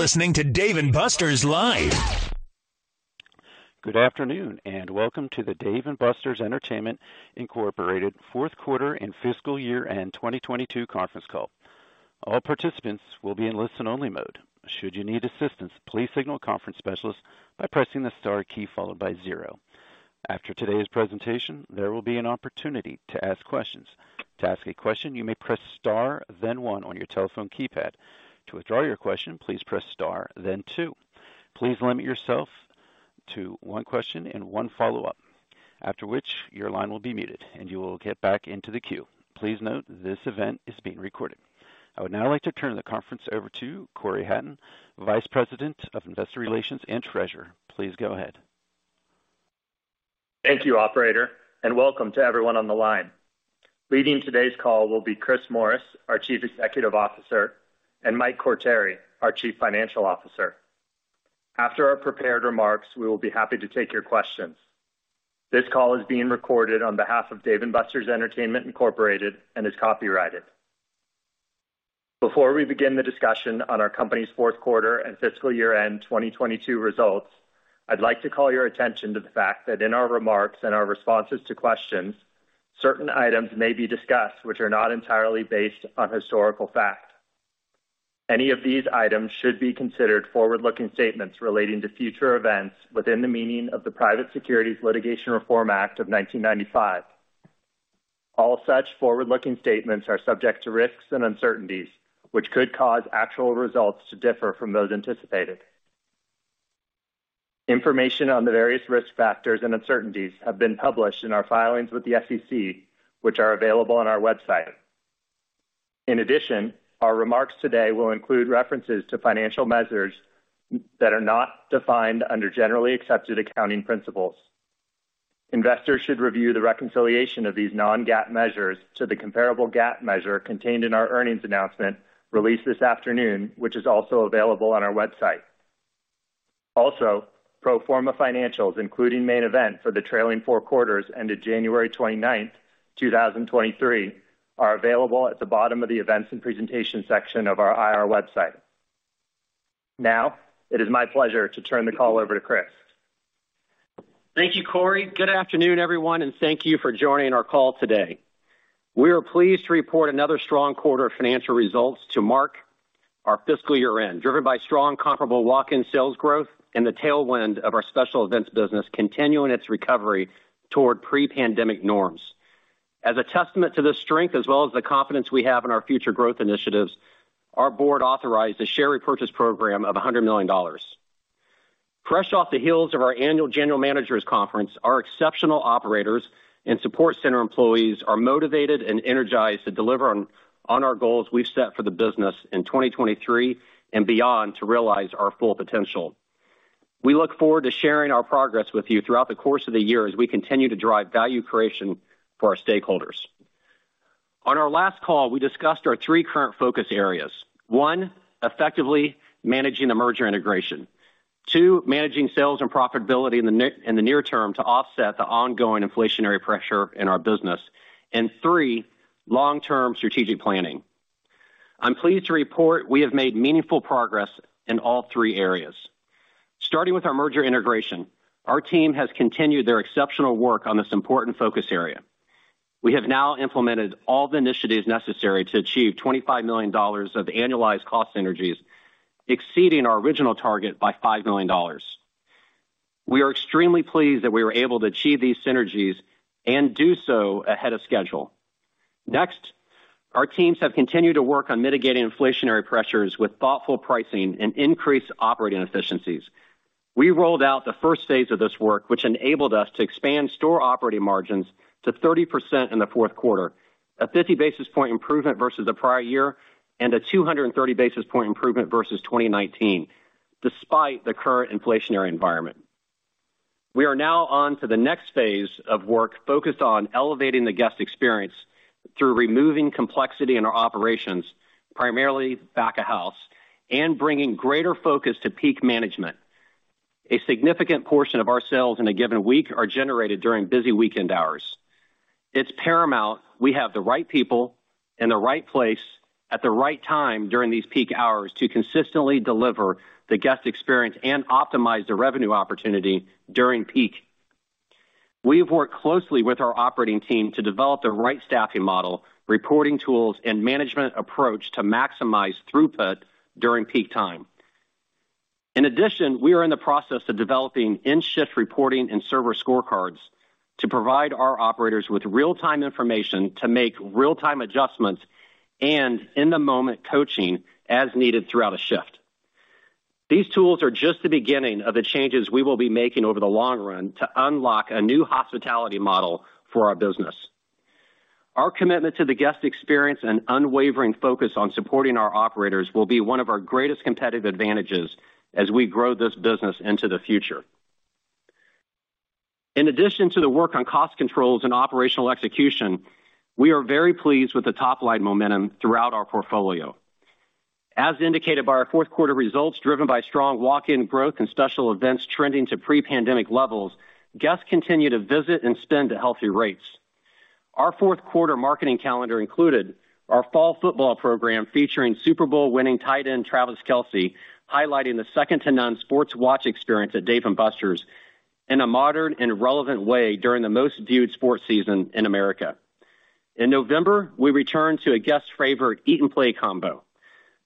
You're listening to Dave & Buster's Live. Good afternoon, and welcome to the Dave & Buster's Entertainment, Inc Fourth Quarter and Fiscal Year End 2022 conference call. All participants will be in listen-only mode. Should you need assistance, please signal a conference specialist by pressing the star key followed by zero. After today's presentation, there will be an opportunity to ask questions. To ask a question, you may press star then one on your telephone keypad. To withdraw your question, please press star then two. Please limit yourself to one question and one follow-up, after which your line will be muted, and you will get back into the queue. Please note this event is being recorded. I would now like to turn the conference over to Cory Hatton, Vice President of Investor Relations and Treasurer. Please go ahead. Thank you, operator, and welcome to everyone on the line. Leading today's call will be Chris Morris, our Chief Executive Officer, and Mike Quartieri, our Chief Financial Officer. After our prepared remarks, we will be happy to take your questions. This call is being recorded on behalf of Dave & Buster's Entertainment, Inc and is copyrighted. Before we begin the discussion on our company's fourth quarter and fiscal year end 2022 results, I'd like to call your attention to the fact that in our remarks and our responses to questions, certain items may be discussed which are not entirely based on historical fact. Any of these items should be considered forward-looking statements relating to future events within the meaning of the Private Securities Litigation Reform Act of 1995. All such forward-looking statements are subject to risks and uncertainties, which could cause actual results to differ from those anticipated. Information on the various risk factors and uncertainties have been published in our filings with the SEC, which are available on our website. In addition, our remarks today will include references to financial measures that are not defined under generally accepted accounting principles. Investors should review the reconciliation of these non-GAAP measures to the comparable GAAP measure contained in our earnings announcement released this afternoon, which is also available on our website. Also, pro forma financials, including Main Event for the trailing four quarters ended January 29th, 2023, are available at the bottom of the Events and Presentation section of our IR website. Now, it is my pleasure to turn the call over to Chris. Thank you, Cory. Good afternoon, everyone, thank you for joining our call today. We are pleased to report another strong quarter of financial results to mark our fiscal year-end, driven by strong comparable walk-in sales growth and the tailwind of our special events business continuing its recovery toward pre-pandemic norms. As a testament to this strength, as well as the confidence we have in our future growth initiatives, our board authorized a share repurchase program of $100 million. Fresh off the hills of our annual general managers conference, our exceptional operators and support center employees are motivated and energized to deliver on our goals we've set for the business in 2023 and beyond to realize our full potential. We look forward to sharing our progress with you throughout the course of the year as we continue to drive value creation for our stakeholders. On our last call, we discussed our three current focus areas. One, effectively managing the merger integration. Two, managing sales and profitability in the near term to offset the ongoing inflationary pressure in our business. Three, long-term strategic planning. I'm pleased to report we have made meaningful progress in all three areas. Starting with our merger integration, our team has continued their exceptional work on this important focus area. We have now implemented all the initiatives necessary to achieve $25 million of annualized cost synergies, exceeding our original target by $5 million. We are extremely pleased that we were able to achieve these synergies and do so ahead of schedule. Next, our teams have continued to work on mitigating inflationary pressures with thoughtful pricing and increased operating efficiencies. We rolled out the first phase of this work, which enabled us to expand store operating margins to 30% in the fourth quarter, a 50 basis point improvement versus the prior year, and a 230 basis point improvement versus 2019, despite the current inflationary environment. We are now on to the next phase of work focused on elevating the guest experience through removing complexity in our operations, primarily back-of-house, and bringing greater focus to peak management. A significant portion of our sales in a given week are generated during busy weekend hours. It's paramount we have the right people in the right place at the right time during these peak hours to consistently deliver the guest experience and optimize the revenue opportunity during peak. We have worked closely with our operating team to develop the right staffing model, reporting tools, and management approach to maximize throughput during peak time. In addition, we are in the process of developing in-shift reporting and server scorecards to provide our operators with real-time information to make real-time adjustments and in-the-moment coaching as needed throughout a shift. These tools are just the beginning of the changes we will be making over the long run to unlock a new hospitality model for our business. Our commitment to the guest experience and unwavering focus on supporting our operators will be one of our greatest competitive advantages as we grow this business into the future. In addition to the work on cost controls and operational execution, we are very pleased with the top line momentum throughout our portfolio. As indicated by our fourth quarter results, driven by strong walk-in growth and special events trending to pre-pandemic levels, guests continue to visit and spend at healthy rates. Our fourth quarter marketing calendar included our fall football program featuring Super Bowl winning tight end Travis Kelce, highlighting the second to none sports watch experience at Dave & Buster's in a modern and relevant way during the most viewed sports season in America. In November, we returned to a guest favorite Eat & Play Combo.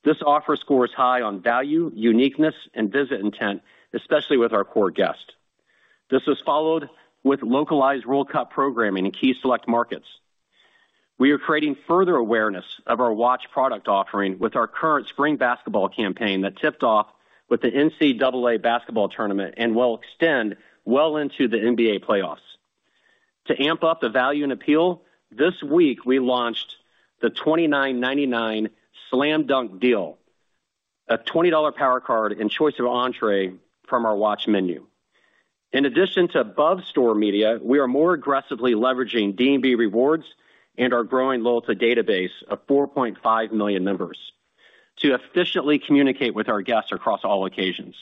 This offer scores high on value, uniqueness, and visit intent, especially with our core guests. This was followed with localized World Cup programming in key select markets. We are creating further awareness of our watch product offering with our current spring basketball campaign that tipped off with the NCAA basketball tournament and will extend well into the NBA playoffs. To amp up the value and appeal, this week we launched the $29.99 Slam Dunk Deal, a $20 Power Card and choice of entree from our watch menu. In addition to above store media, we are more aggressively leveraging D&B Rewards and our growing loyalty database of 4.5 million members to efficiently communicate with our guests across all occasions.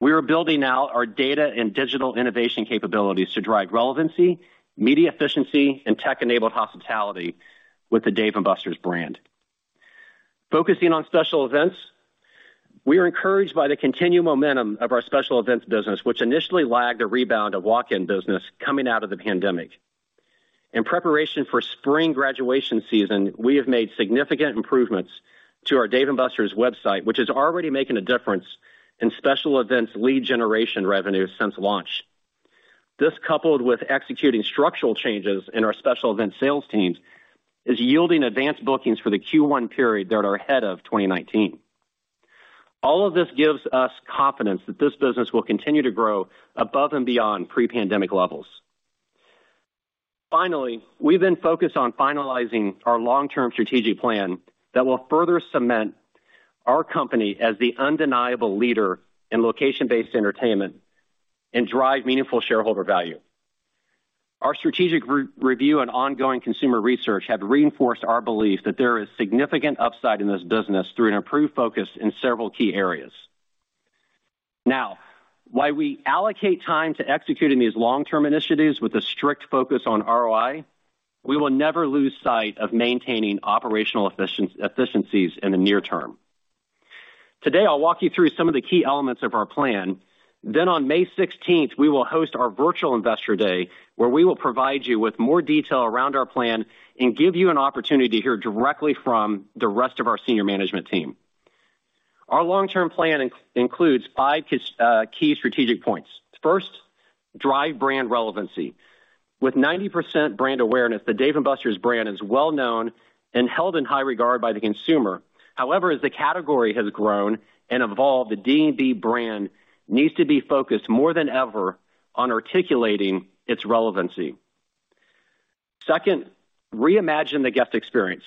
We are building out our data and digital innovation capabilities to drive relevancy, media efficiency, and tech enabled hospitality with the Dave & Buster's brand. Focusing on special events, we are encouraged by the continued momentum of our special events business, which initially lagged a rebound of walk-in business coming out of the pandemic. In preparation for spring graduation season, we have made significant improvements to our Dave & Buster's website, which is already making a difference in special events lead generation revenue since launch. This coupled with executing structural changes in our special event sales teams is yielding advanced bookings for the Q1 period that are ahead of 2019. All of this gives us confidence that this business will continue to grow above and beyond pre-pandemic levels. We then focus on finalizing our long-term strategic plan that will further cement our company as the undeniable leader in location-based entertainment and drive meaningful shareholder value. Our strategic re-review and ongoing consumer research have reinforced our belief that there is significant upside in this business through an improved focus in several key areas. While we allocate time to executing these long-term initiatives with a strict focus on ROI, we will never lose sight of maintaining operational efficiencies in the near term. Today, I'll walk you through some of the key elements of our plan. On May 16th, we will host our Virtual Investor Day, where we will provide you with more detail around our plan and give you an opportunity to hear directly from the rest of our senior management team. Our long term plan includes five key strategic points. First, drive brand relevancy. With 90% brand awareness, the Dave & Buster's brand is well known and held in high regard by the consumer. However, as the category has grown and evolved, the D&B brand needs to be focused more than ever on articulating its relevancy. Second, reimagine the guest experience.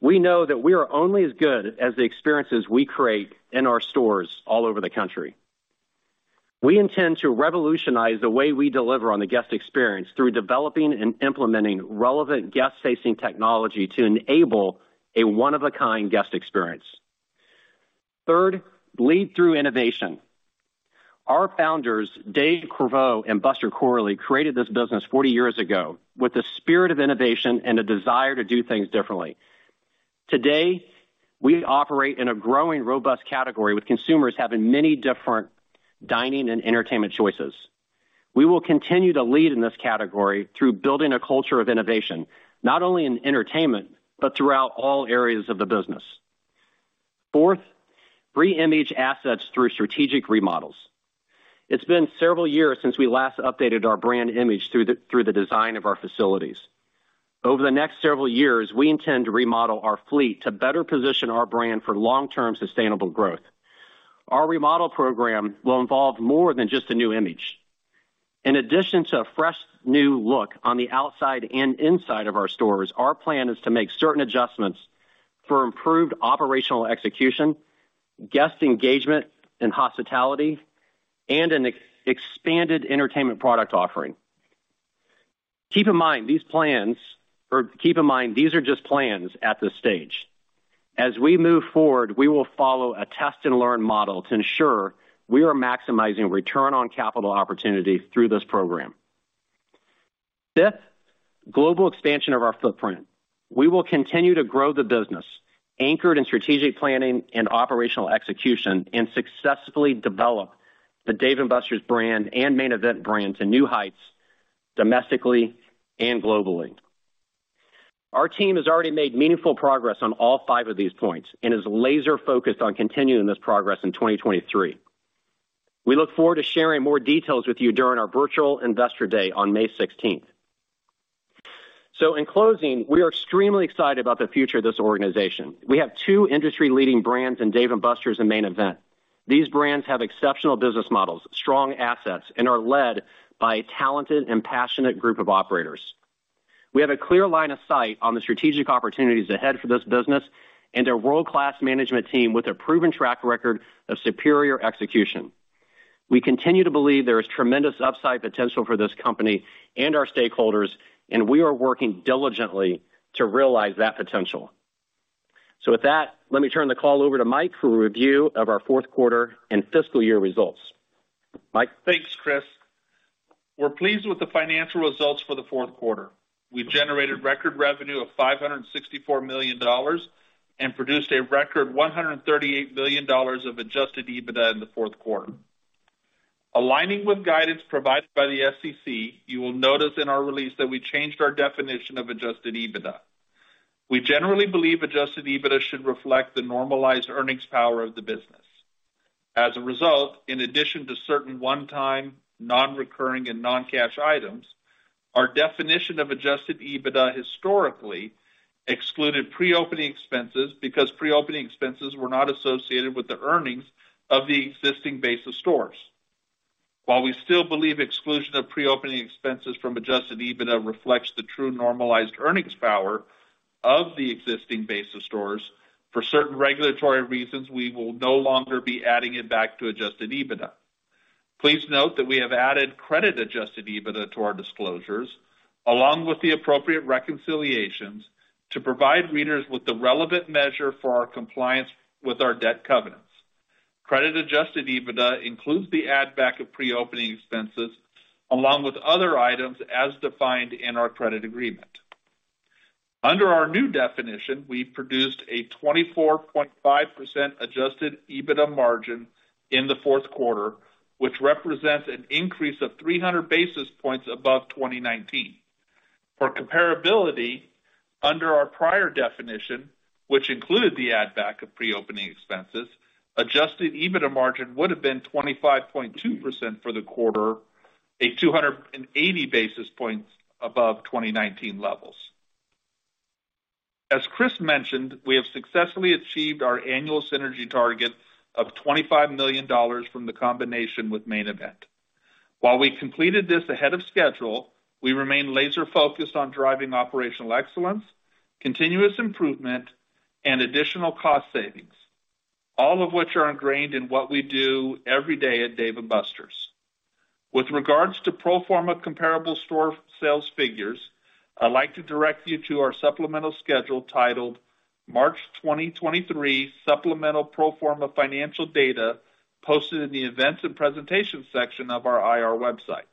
We know that we are only as good as the experiences we create in our stores all over the country. We intend to revolutionize the way we deliver on the guest experience through developing and implementing relevant guest facing technology to enable a one of a kind guest experience. Lead through innovation. Our founders, David Corriveau and Buster Corley, created this business 40 years ago with a spirit of innovation and a desire to do things differently. Today, we operate in a growing, robust category with consumers having many different dining and entertainment choices. We will continue to lead in this category through building a culture of innovation, not only in entertainment, but throughout all areas of the business. Reimage assets through strategic remodels. It's been several years since we last updated our brand image through the design of our facilities. Over the next several years, we intend to remodel our fleet to better position our brand for long-term sustainable growth. Our remodel program will involve more than just a new image. In addition to a fresh new look on the outside and inside of our stores, our plan is to make certain adjustments for improved operational execution, guest engagement and hospitality, and an expanded entertainment product offering. Keep in mind, these are just plans at this stage. As we move forward, we will follow a test and learn model to ensure we are maximizing return on capital opportunity through this program. Fifth, global expansion of our footprint. We will continue to grow the business anchored in strategic planning and operational execution. Successfully develop the Dave & Buster's brand and Main Event brand to new heights domestically and globally. Our team has already made meaningful progress on all five of these points and is laser focused on continuing this progress in 2023. We look forward to sharing more details with you during our Virtual Investor Day on May 16th. In closing, we are extremely excited about the future of this organization. We have two industry leading brands in Dave & Buster's and Main Event. These brands have exceptional business models, strong assets, and are led by a talented and passionate group of operators. We have a clear line of sight on the strategic opportunities ahead for this business and a world class management team with a proven track record of superior execution. We continue to believe there is tremendous upside potential for this company and our stakeholders. We are working diligently to realize that potential. With that, let me turn the call over to Mike for a review of our fourth quarter and fiscal year results. Mike? Thanks, Chris. We're pleased with the financial results for the fourth quarter. We've generated record revenue of $564 million and produced a record $138 million of adjusted EBITDA in the fourth quarter. Aligning with guidance provided by the SEC, you will notice in our release that we changed our definition of adjusted EBITDA. We generally believe adjusted EBITDA should reflect the normalized earnings power of the business. As a result, in addition to certain one-time non-recurring and non-cash items, our definition of adjusted EBITDA historically excluded pre-opening expenses because pre-opening expenses were not associated with the earnings of the existing base of stores. While we still believe exclusion of pre-opening expenses from adjusted EBITDA reflects the true normalized earnings power of the existing base of stores, for certain regulatory reasons, we will no longer be adding it back to adjusted EBITDA. Please note that we have added credit adjusted EBITDA to our disclosures, along with the appropriate reconciliations, to provide readers with the relevant measure for our compliance with our debt covenants. credit adjusted EBITDA includes the add back of pre-opening expenses along with other items as defined in our credit agreement. Under our new definition, we've produced a 24.5% adjusted EBITDA margin in the fourth quarter, which represents an increase of 300 basis points above 2019. For comparability, under our prior definition, which included the add back of pre-opening expenses, adjusted EBITDA margin would have been 25.2% for the quarter, a 280 basis points above 2019 levels. As Chris mentioned, we have successfully achieved our annual synergy target of $25 million from the combination with Main Event. While we completed this ahead of schedule, we remain laser focused on driving operational excellence, continuous improvement, and additional cost savings, all of which are ingrained in what we do every day at Dave & Buster's. With regards to pro forma comparable store sales figures, I'd like to direct you to our supplemental schedule titled March 2023 Supplemental Pro Forma Financial Data posted in the Events and Presentation section of our IR website.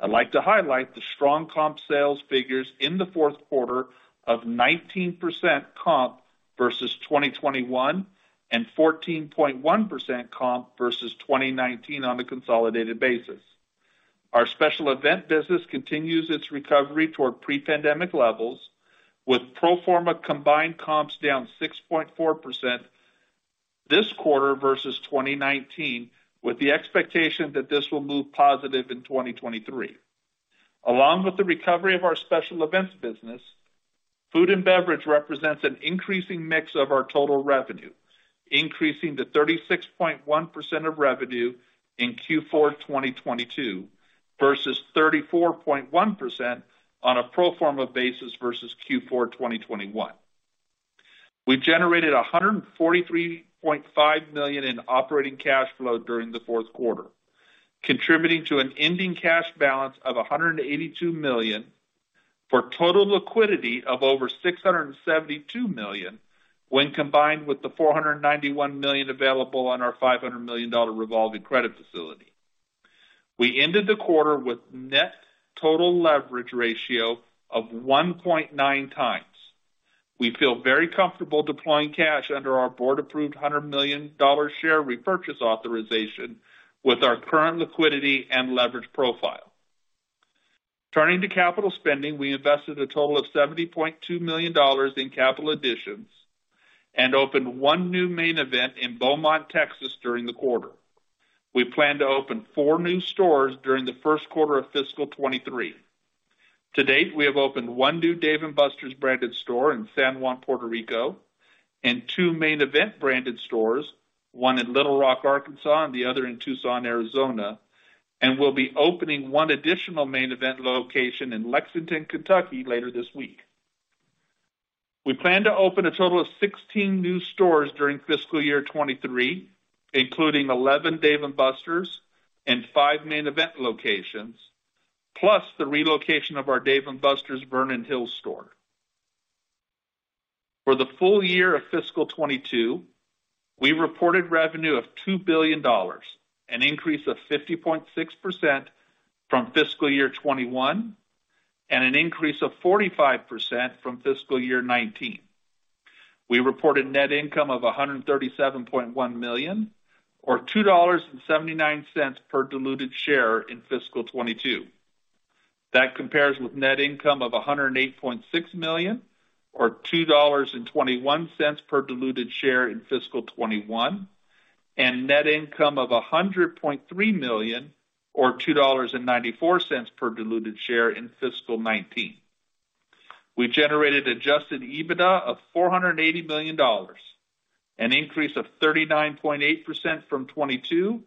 I'd like to highlight the strong comp sales figures in the fourth quarter of 19% comp versus 2021, and 14.1% comp versus 2019 on a consolidated basis. Our special event business continues its recovery toward pre-pandemic levels, with pro forma combined comps down 6.4% this quarter versus 2019, with the expectation that this will move positive in 2023. Along with the recovery of our special events business, food and beverage represents an increasing mix of our total revenue, increasing to 36.1% of revenue in Q4 2022 versus 34.1% on a pro forma basis versus Q4 2021. We generated $143.5 million in operating cash flow during the fourth quarter, contributing to an ending cash balance of $182 million, for total liquidity of over $672 million when combined with the $491 million available on our $500 million dollar revolving credit facility. We ended the quarter with net total leverage ratio of 1.9x. We feel very comfortable deploying cash under our board approved $100 million dollar share repurchase authorization with our current liquidity and leverage profile. Turning to capital spending, we invested a total of $70.2 million in capital additions and opened one new Main Event in Beaumont, Texas during the quarter. We plan to open four new stores during the first quarter of fiscal 2023. To date, we have opened one new Dave & Buster's branded store in San Juan, Puerto Rico, and two Main Event branded stores, one in Little Rock, Arkansas, and the other in Tucson, Arizona. We'll be opening one additional Main Event location in Lexington, Kentucky later this week. We plan to open a total of 16 new stores during fiscal year 2023, including 11 Dave & Buster's and five Main Event locations, plus the relocation of our Dave & Buster's Vernon Hills store. For the full year of fiscal 2022, we reported revenue of $2 billion, an increase of 50.6% from fiscal year 2021, and an increase of 45% from fiscal year 2019. We reported net income of $137.1 million, or $2.79 per diluted share in fiscal 2022. That compares with net income of $108.6 million or $2.21 per diluted share in fiscal 2021, and net income of $100.3 million or $2.94 per diluted share in fiscal 2019. We generated adjusted EBITDA of $480 million, an increase of 39.8% from 2022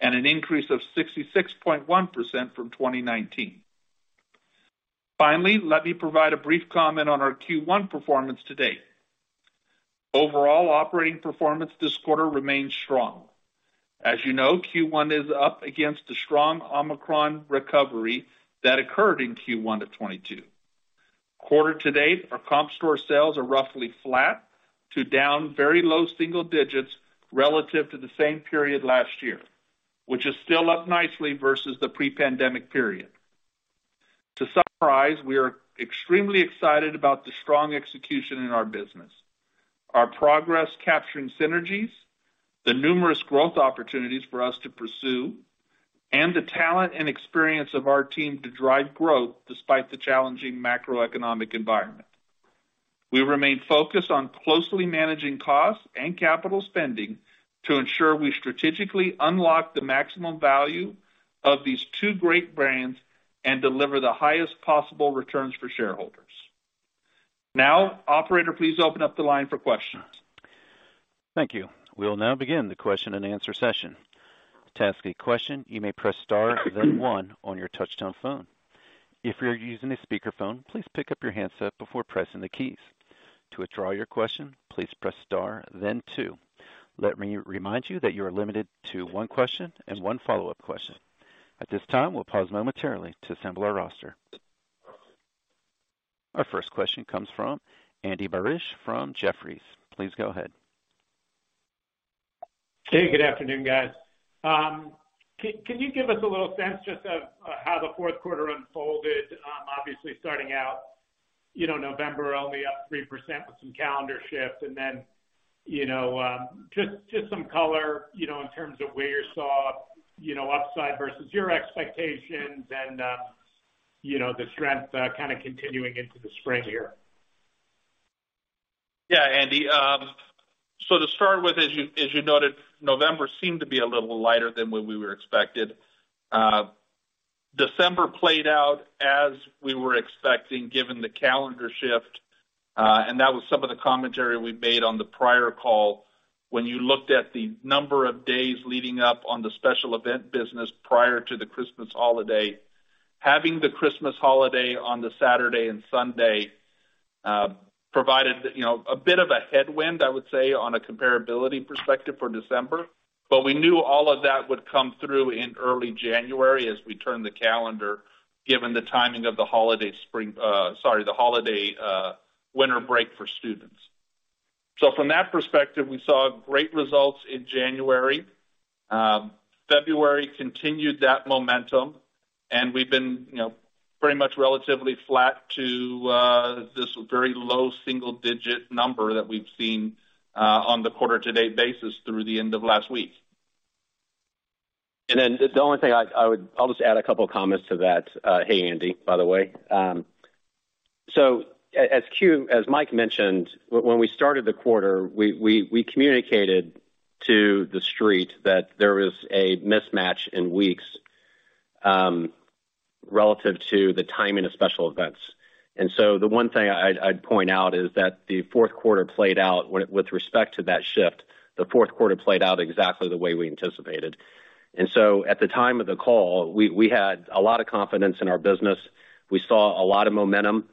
and an increase of 66.1% from 2019. Let me provide a brief comment on our Q1 performance to date. Overall operating performance this quarter remains strong. As you know, Q1 is up against a strong Omicron recovery that occurred in Q1 of 2022. Quarter to date, our comp store sales are roughly flat to down very low single digits relative to the same period last year, which is still up nicely versus the pre-pandemic period. To summarize, we are extremely excited about the strong execution in our business, our progress capturing synergies, the numerous growth opportunities for us to pursue, and the talent and experience of our team to drive growth despite the challenging macroeconomic environment. We remain focused on closely managing costs and capital spending to ensure we strategically unlock the maximum value of these two great brands and deliver the highest possible returns for shareholders. Operator, please open up the line for questions. Thank you. We'll now begin the question-and-answer session. To ask a question, you may press star then one on your touch-tone phone. If you're using a speakerphone, please pick up your handset before pressing the keys. To withdraw your question, please press star then two. Let me remind you that you are limited to one question and one follow-up question. At this time, we'll pause momentarily to assemble our roster. Our first question comes from Andy Barish from Jefferies. Please go ahead. Hey, good afternoon, guys. Can you give us a little sense just of how the fourth quarter unfolded? Obviously starting out, you know, November only up 3% with some calendar shifts and then, you know, just some color, you know, in terms of where you saw, you know, upside versus your expectations and, you know, the strength kind of continuing into the spring here. Yeah, Andy. To start with, as you, as you noted, November seemed to be a little lighter than what we were expected. December played out as we were expecting, given the calendar shift, and that was some of the commentary we made on the prior call when you looked at the number of days leading up on the special event business prior to the Christmas holiday. Having the Christmas holiday on the Saturday and Sunday, provided, you know, a bit of a headwind, I would say, on a comparability perspective for December. We knew all of that would come through in early January as we turned the calendar, given the timing of the holiday, sorry, the holiday winter break for students. From that perspective, we saw great results in January. February continued that momentum and we've been, you know, pretty much relatively flat to this very low single digit number that we've seen on the quarter to date basis through the end of last week. The only thing I'll just add a couple of comments to that. Hey, Andy, by the way. As Mike mentioned, when we started the quarter, we communicated to the street that there was a mismatch in weeks relative to the timing of special events. The one thing I'd point out is that the fourth quarter played out with respect to that shift, the fourth quarter played out exactly the way we anticipated. At the time of the call, we had a lot of confidence in our business. We saw a lot of momentum.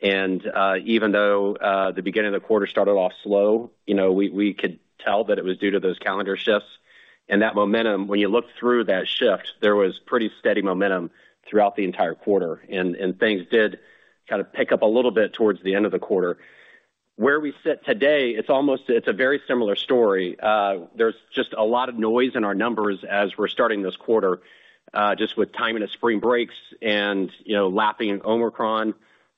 Even though the beginning of the quarter started off slow, you know, we could tell that it was due to those calendar shifts. That momentum, when you look through that shift, there was pretty steady momentum throughout the entire quarter, and things did kind of pick up a little bit towards the end of the quarter. Where we sit today, it's a very similar story. There's just a lot of noise in our numbers as we're starting this quarter, just with timing of spring breaks and, you know, lapping Omicron,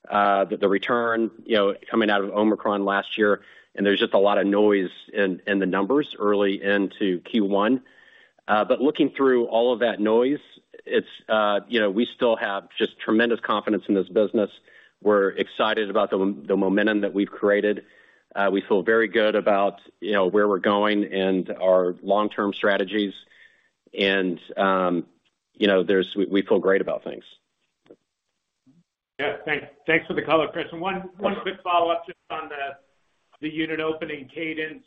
the return, you know, coming out of Omicron last year. There's just a lot of noise in the numbers early into Q1. Looking through all of that noise, it's, you know, we still have just tremendous confidence in this business. We're excited about the momentum that we've created. We feel very good about, you know, where we're going and our long-term strategies. You know, we feel great about things. Yeah. Thanks. Thanks for the color, Chris. One quick follow-up just on the unit opening cadence.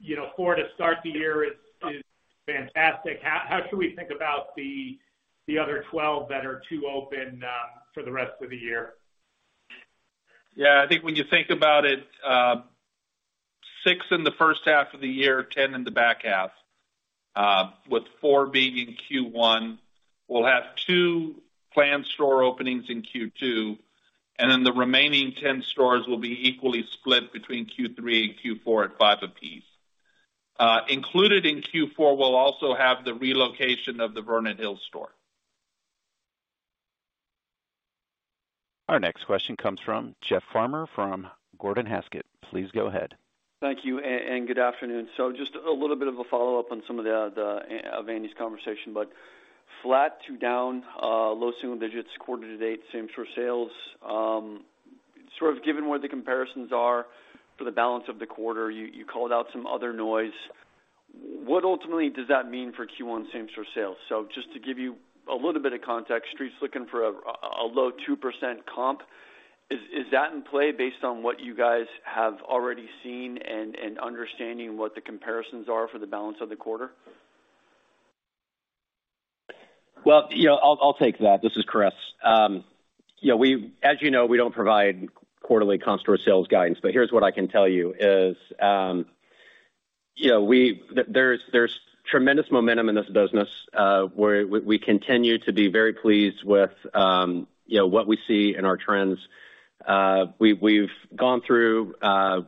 You know, four to start the year is fantastic. How should we think about the other 12 that are to open for the rest of the year? Yeah. I think when you think about it, six in the first half of the year, 10 in the back half, with four being in Q1. We'll have two planned store openings in Q2, and then the remaining 10 stores will be equally split between Q3 and Q4 at five a piece. Included in Q4, we'll also have the relocation of the Vernon Hills store. Our next question comes from Jeff Farmer from Gordon Haskett. Please go ahead. Thank you and good afternoon. Just a little bit of a follow-up on some of Andy's conversation, but flat to down low single-digits quarter-to-date same store sales. Sort of given what the comparisons are for the balance of the quarter, you called out some other noise. What ultimately does that mean for Q1 same store sales? Just to give you a little bit of context, Street's looking for a low 2% comp. Is that in play based on what you guys have already seen and understanding what the comparisons are for the balance of the quarter? Well, you know, I'll take that. This is Chris. You know, as you know, we don't provide quarterly comp store sales guidance, but here's what I can tell you is, you know, there's tremendous momentum in this business, where we continue to be very pleased with, you know, what we see in our trends. We've gone through,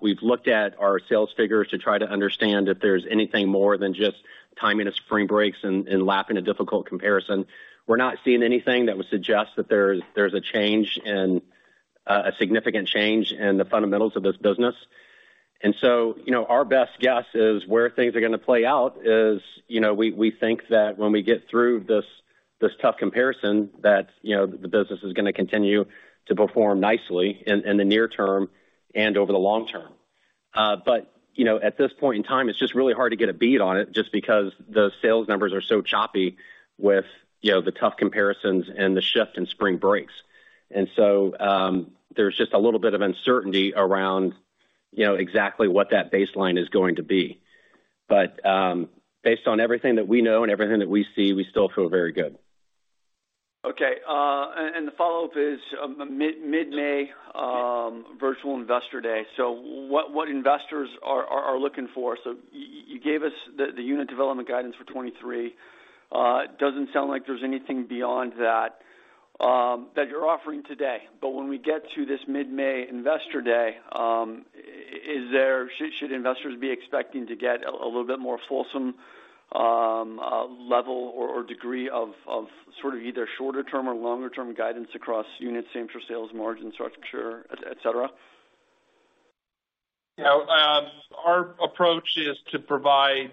we've looked at our sales figures to try to understand if there's anything more than just timing of spring breaks and lapping a difficult comparison. We're not seeing anything that would suggest that there's a change in a significant change in the fundamentals of this business. You know, our best guess is where things are gonna play out is, you know, we think that when we get through this tough comparison that, you know, the business is gonna continue to perform nicely in the near term and over the long term. You know, at this point in time, it's just really hard to get a beat on it just because the sales numbers are so choppy with, you know, the tough comparisons and the shift in spring breaks. There's just a little bit of uncertainty around, you know, exactly what that baseline is going to be. Based on everything that we know and everything that we see, we still feel very good. Okay. And the follow-up is, mid-May Virtual Investor Day. What investors are looking for? You gave us the unit development guidance for 2023. It doesn't sound like there's anything beyond that you're offering today. When we get to this mid-May Investor Day, should investors be expecting to get a little bit more fulsome level or degree of sort of either shorter term or longer term guidance across units, same for sales margin structure, et cetera? You know, our approach is to provide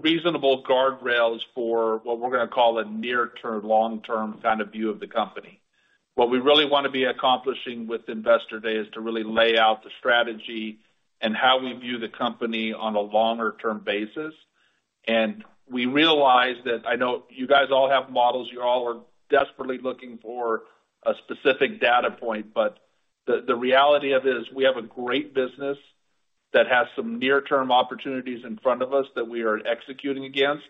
reasonable guardrails for what we're gonna call a near-term, long-term kind of view of the company. What we really wanna be accomplishing with Investor Day is to really lay out the strategy and how we view the company on a longer term basis. We realize that, I know you guys all have models. You all are desperately looking for a specific data point, but the reality of it is we have a great business that has some near-term opportunities in front of us that we are executing against,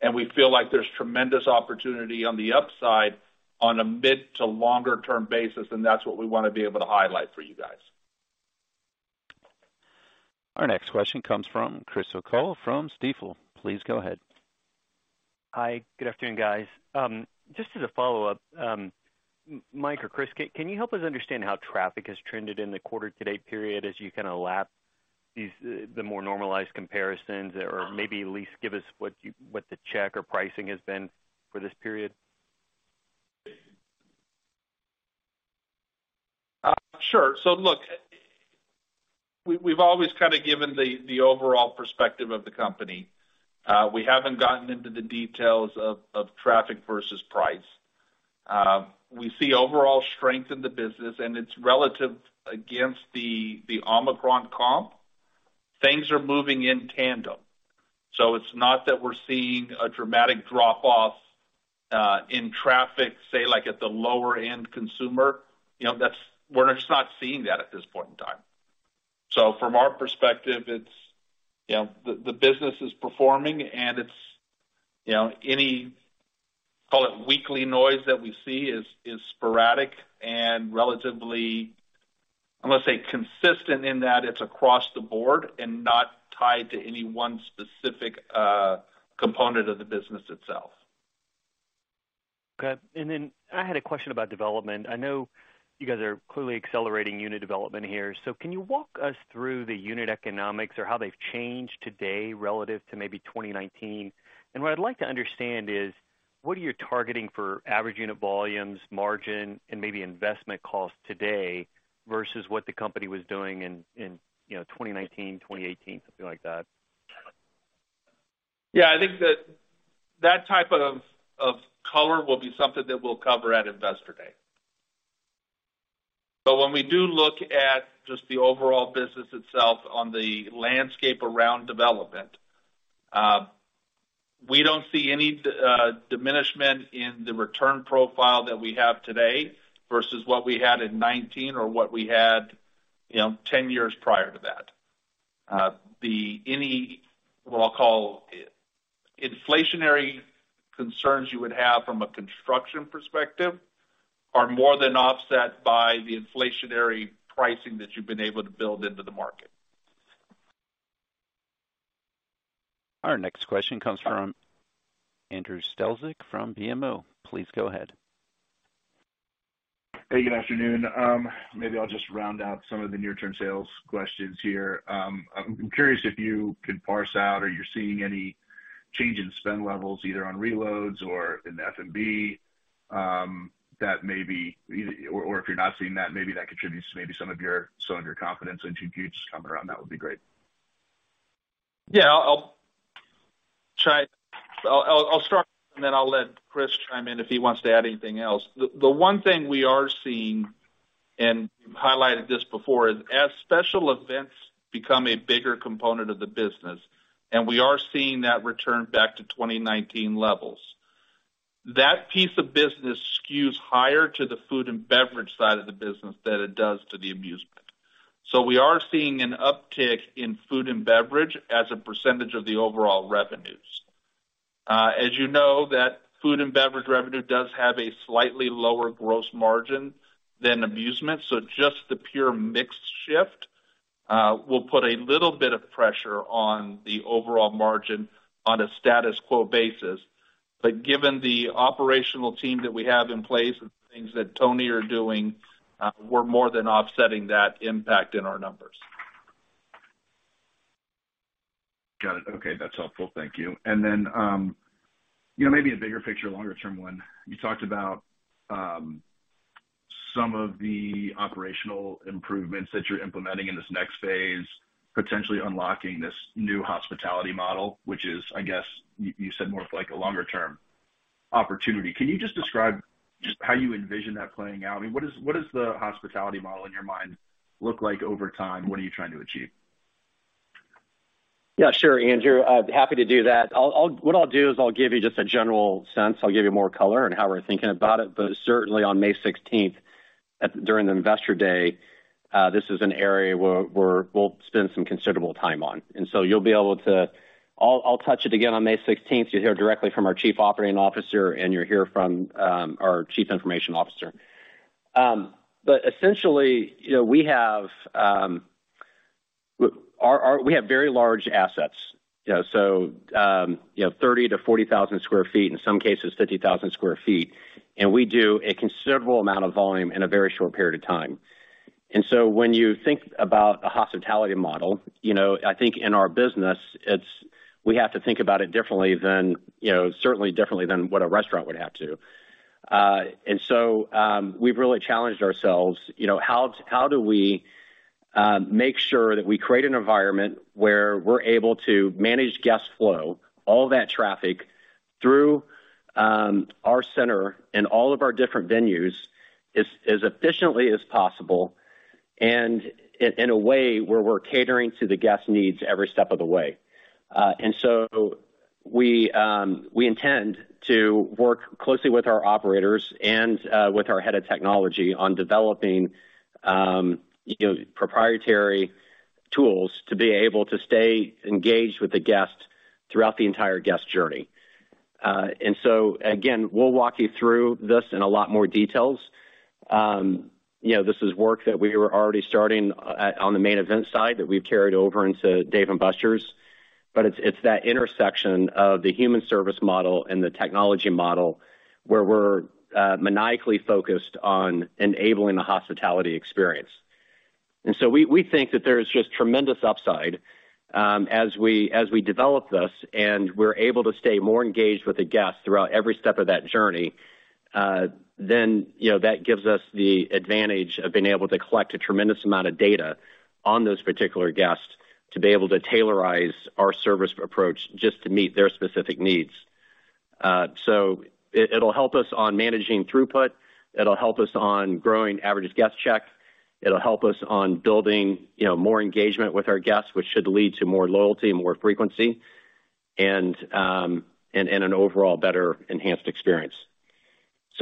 and we feel like there's tremendous opportunity on the upside on a mid to longer term basis, and that's what we wanna be able to highlight for you guys. Our next question comes from Chris O'Cull from Stifel. Please go ahead. Hi. Good afternoon, guys. just as a follow-up, Mike or Chris, can you help us understand how traffic has trended in the quarter-to-date period as you kind of lap these, the more normalized comparisons? Or maybe at least give us what the check or pricing has been for this period? Sure. Look, we've always kind of given the overall perspective of the company. We haven't gotten into the details of traffic versus price. We see overall strength in the business. It's relative against the Omicron comp. Things are moving in tandem. It's not that we're seeing a dramatic drop-off in traffic, say like at the lower end consumer. You know, that's, we're just not seeing that at this point in time. From our perspective, it's, you know, the business is performing. It's, you know, any, call it, weekly noise that we see is sporadic and relatively, I'm gonna say, consistent in that it's across the board and not tied to any one specific component of the business itself. I had a question about development. I know you guys are clearly accelerating unit development here. Can you walk us through the unit economics or how they've changed today relative to maybe 2019? What I'd like to understand is, what are you targeting for average unit volumes, margin, and maybe investment costs today versus what the company was doing in, you know, 2019, 2018, something like that? Yeah. I think that that type of color will be something that we'll cover at Investor Day. When we do look at just the overall business itself on the landscape around development, we don't see any diminishment in the return profile that we have today versus what we had in 2019 or what we had, you know, 10 years prior to that. Any, what I'll call inflationary concerns you would have from a construction perspective are more than offset by the inflationary pricing that you've been able to build into the market. Our next question comes from Andrew Strelzik from BMO. Please go ahead. Hey, good afternoon. Maybe I'll just round out some of the near term sales questions here. I'm curious if you could parse out or you're seeing any change in spend levels, either on reloads or in F&B, that maybe, or if you're not seeing that, maybe that contributes to some of your confidence. If you could just comment around that would be great. Yeah. I'll try. I'll start and then I'll let Chris chime in if he wants to add anything else. The one thing we are seeing, and we've highlighted this before, is as special events become a bigger component of the business, and we are seeing that return back to 2019 levels, that piece of business skews higher to the food and beverage side of the business than it does to the amusement. We are seeing an uptick in food and beverage as a % of the overall revenues. As you know, that food and beverage revenue does have a slightly lower gross margin than amusement. Just the pure mixed shift will put a little bit of pressure on the overall margin on a status quo basis. Given the operational team that we have in place and the things that Tony are doing, we're more than offsetting that impact in our numbers. Got it. Okay, that's helpful. Thank you. Then, you know, maybe a bigger picture, longer term one. You talked about, some of the operational improvements that you're implementing in this next phase, potentially unlocking this new hospitality model, which is, I guess, you said more of like a longer term opportunity. Can you just describe just how you envision that playing out? I mean, what is the hospitality model in your mind look like over time? What are you trying to achieve? Yeah, sure, Andrew, I'd be happy to do that. What I'll do is I'll give you just a general sense. I'll give you more color on how we're thinking about it, but certainly on May 16th, at, during the Investor Day, this is an area where we'll spend some considerable time on. You'll be able to. I'll touch it again on May 16th. You'll hear directly from our Chief Operating Officer, and you'll hear from our Chief Information Officer. But essentially, you know, we have our, we have very large assets, you know, so, you know, 30,000-40,000 sq ft, in some cases 50,000 sq ft. We do a considerable amount of volume in a very short period of time. When you think about a hospitality model, you know, I think in our business, it's, we have to think about it differently than, you know, certainly differently than what a restaurant would have to. We've really challenged ourselves, you know, how do we make sure that we create an environment where we're able to manage guest flow, all that traffic through our center and all of our different venues as efficiently as possible and in a way where we're catering to the guest needs every step of the way. We intend to work closely with our operators and with our head of technology on developing, you know, proprietary tools to be able to stay engaged with the guest throughout the entire guest journey. Again, we'll walk you through this in a lot more details. You know, this is work that we were already starting on the Main Event side that we've carried over into Dave & Buster's. It's that intersection of the human service model and the technology model where we're maniacally focused on enabling the hospitality experience. We think that there is just tremendous upside, as we develop this and we're able to stay more engaged with the guest throughout every step of that journey, then, you know, that gives us the advantage of being able to collect a tremendous amount of data on those particular guests to be able to tailorize our service approach just to meet their specific needs. So it'll help us on managing throughput. It'll help us on growing average guest check. It'll help us on building, you know, more engagement with our guests, which should lead to more loyalty, more frequency, and an overall better enhanced experience.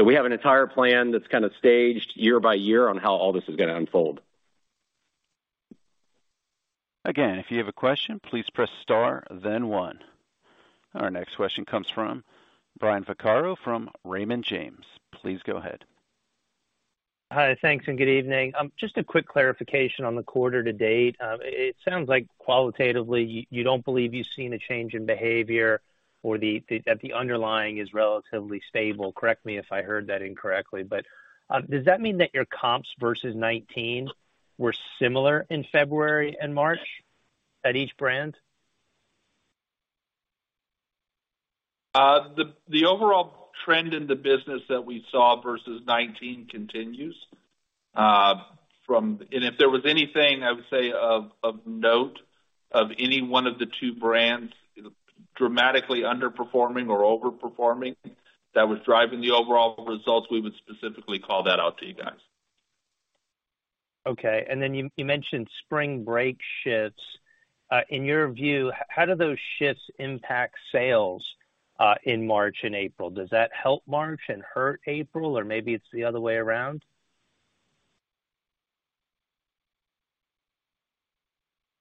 We have an entire plan that's kind of staged year by year on how all this is gonna unfold. Again, if you have a question, please press star then one. Our next question comes from Brian Vaccaro from Raymond James. Please go ahead. Hi, thanks and good evening. Just a quick clarification on the quarter-to-date. It sounds like qualitatively you don't believe you've seen a change in behavior or that the underlying is relatively stable. Correct me if I heard that incorrectly. Does that mean that your comps versus 2019 were similar in February and March at each brand? The overall trend in the business that we saw versus 2019 continues from. If there was anything, I would say, of note of any one of the two brands dramatically underperforming or over-performing that was driving the overall results, we would specifically call that out to you guys. Okay. you mentioned spring break shifts. in your view, how do those shifts impact sales, in March and April? Does that help March and hurt April, or maybe it's the other way around?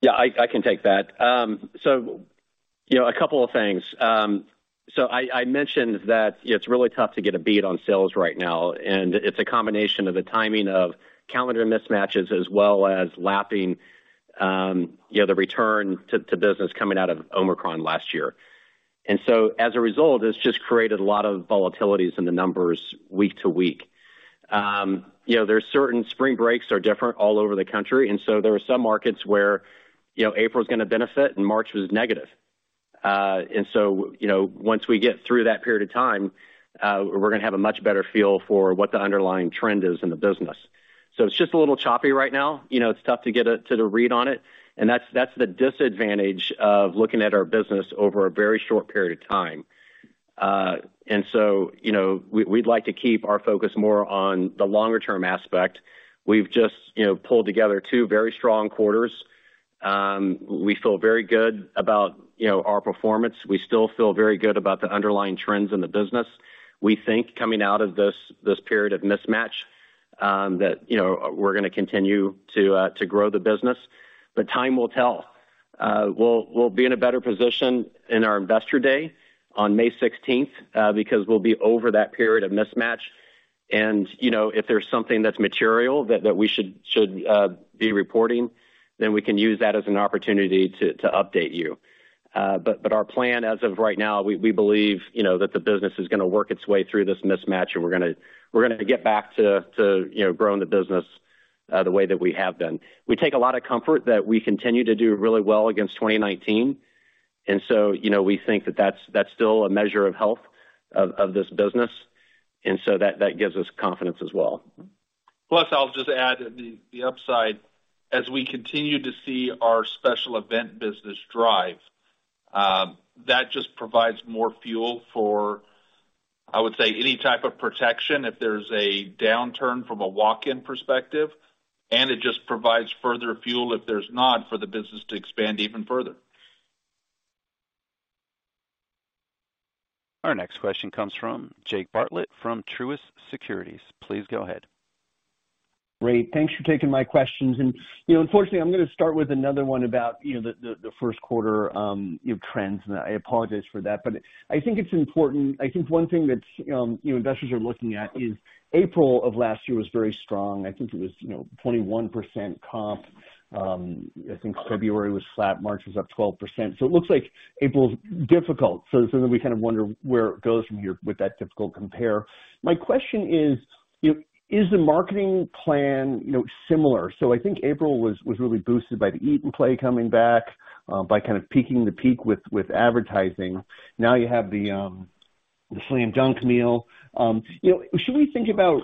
Yeah, I can take that. You know, a couple of things. I mentioned that it's really tough to get a beat on sales right now, and it's a combination of the timing of calendar mismatches as well as lapping, you know, the return to business coming out of Omicron last year. As a result, it's just created a lot of volatilities in the numbers week to week. You know, there are certain spring breaks are different all over the country, there are some markets where, you know, April is gonna benefit and March was negative. You know, once we get through that period of time, we're gonna have a much better feel for what the underlying trend is in the business. So it's just a little choppy right now. You know, it's tough to get to the read on it, and that's the disadvantage of looking at our business over a very short period of time. You know, we'd like to keep our focus more on the longer term aspect. We've just, you know, pulled together two very strong quarters. We feel very good about, you know, our performance. We still feel very good about the underlying trends in the business. We think coming out of this period of mismatch, that, you know, we're gonna continue to grow the business. Time will tell. We'll be in a better position in our Investor Day on May 16th, because we'll be over that period of mismatch. You know, if there's something that's material that we should be reporting, then we can use that as an opportunity to update you. Our plan as of right now, we believe, you know, that the business is gonna work its way through this mismatch, and we're gonna get back to, you know, growing the business the way that we have been. We take a lot of comfort that we continue to do really well against 2019. You know, we think that that's still a measure of health of this business, and so that gives us confidence as well. I'll just add the upside. As we continue to see our special event business drive, that just provides more fuel for, I would say, any type of protection if there's a downturn from a walk-in perspective. It just provides further fuel if there's not, for the business to expand even further. Our next question comes from Jake Bartlett from Truist Securities. Please go ahead. Great. Thanks for taking my questions. You know, unfortunately, I'm gonna start with another one about, you know, the first quarter trends, and I apologize for that, but I think it's important. I think one thing that you investors are looking at is April of last year was very strong. I think it was, you know, 21% comp. I think February was flat, March was up 12%. It looks like April's difficult. Then we kind of wonder where it goes from here with that difficult compare? My question is the marketing plan, you know, similar? I think April was really boosted by the Eat & Play Combo coming back, by kind of peaking the peak with advertising. Now you have the Slam Dunk Deal. You know, should we think about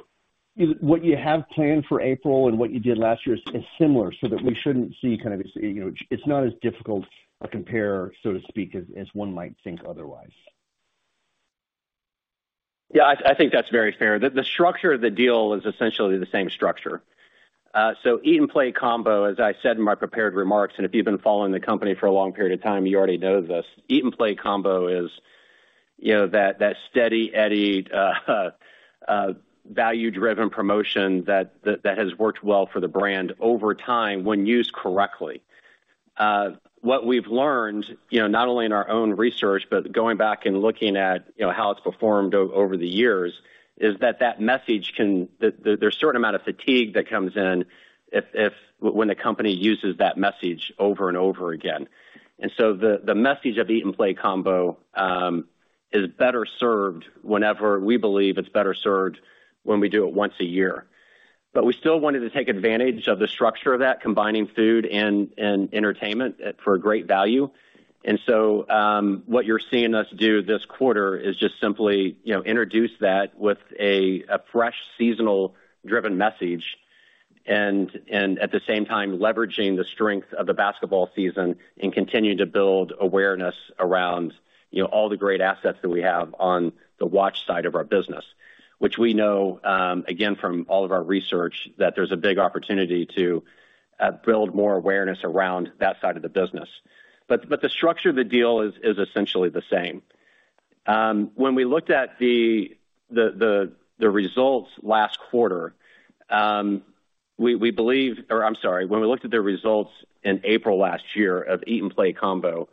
what you have planned for April and what you did last year as similar so that we shouldn't see kind of, you know, it's not as difficult a compare, so to speak, as one might think otherwise? Yeah. I think that's very fair. The structure of the deal is essentially the same structure. Eat & Play Combo, as I said in my prepared remarks, and if you've been following the company for a long period of time, you already know this. Eat & Play Combo is, you know, that steady Eddie, value-driven promotion that has worked well for the brand over time when used correctly. What we've learned, you know, not only in our own research, but going back and looking at, you know, how it's performed over the years, is that that message can. That there's a certain amount of fatigue that comes in if when the company uses that message over and over again. The message of Eat & Play Combo is better served when we do it once a year. We still wanted to take advantage of the structure of that, combining food and entertainment for a great value. What you're seeing us do this quarter is just simply, you know, introduce that with a fresh, seasonal driven message. At the same time, leveraging the strength of the basketball season and continue to build awareness around, you know, all the great assets that we have on the watch side of our business. Which we know, again, from all of our research, that there's a big opportunity to build more awareness around that side of the business. The structure of the deal is essentially the same. When we looked at the results last quarter, when we looked at the results in April last year of Eat & Play Combo,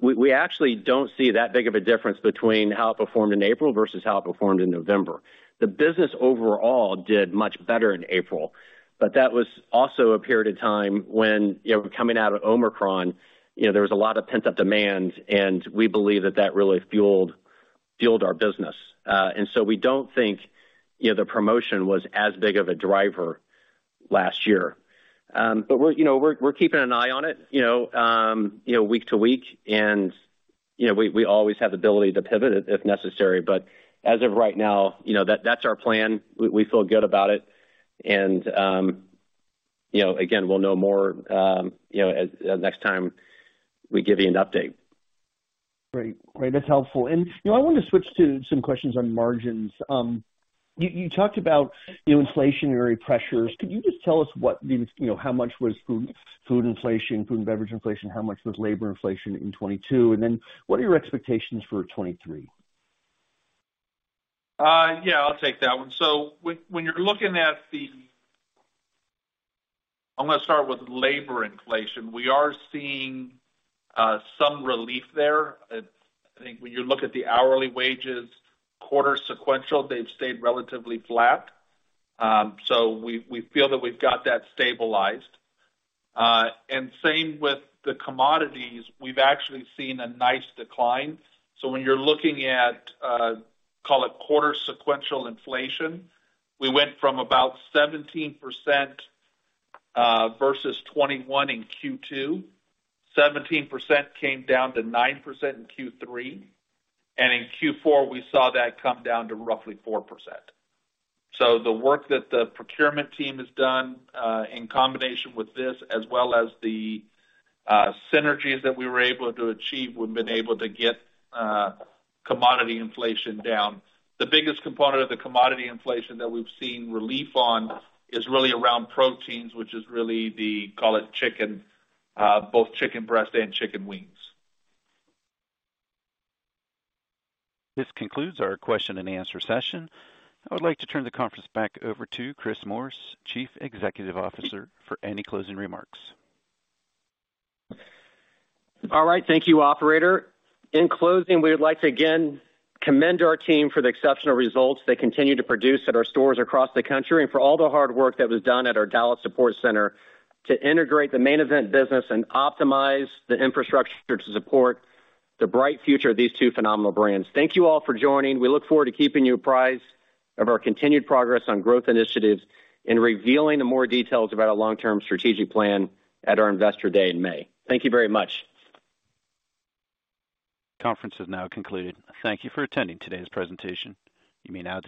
we actually don't see that big of a difference between how it performed in April versus how it performed in November. The business overall did much better in April, but that was also a period of time when, you know, coming out of Omicron, you know, there was a lot of pent-up demand, and we believe that really fueled our business. We don't think, you know, the promotion was as big of a driver last year. We're, you know, we're keeping an eye on it, you know, week to week. You know, we always have the ability to pivot if necessary. As of right now, you know, that's our plan. We feel good about it. You know, again, we'll know more, you know, next time we give you an update. Great. Great. That's helpful. You know, I wanna switch to some questions on margins. You talked about, you know, inflationary pressures. Can you just tell us what the, you know, how much was food inflation, food and beverage inflation? How much was labor inflation in 2022? What are your expectations for 2023? Yeah, I'll take that one. When you're looking at the... I'm gonna start with labor inflation. We are seeing some relief there. I think when you look at the hourly wages quarter sequential, they've stayed relatively flat. We feel that we've got that stabilized. Same with the commodities. We've actually seen a nice decline. When you're looking at, call it quarter sequential inflation, we went from about 17% versus 21% in Q2. 17% came down to 9% in Q3, and in Q4, we saw that come down to roughly 4%. The work that the procurement team has done, in combination with this, as well as the synergies that we were able to achieve, we've been able to get commodity inflation down. The biggest component of the commodity inflation that we've seen relief on is really around proteins, which is really the, call it chicken, both chicken breast and chicken wings. This concludes our question and answer session. I would like to turn the conference back over to Chris Morris, Chief Executive Officer, for any closing remarks. All right. Thank you, operator. In closing, we would like to again commend our team for the exceptional results they continue to produce at our stores across the country and for all the hard work that was done at our Dallas Support Center to integrate the Main Event business and optimize the infrastructure to support the bright future of these two phenomenal brands. Thank you all for joining. We look forward to keeping you apprised of our continued progress on growth initiatives and revealing the more details about our long-term strategic plan at our Investor Day in May. Thank you very much. Conference is now concluded. Thank you for attending today's presentation. You may now disconnect.